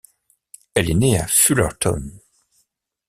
Elle est née à Fullerton.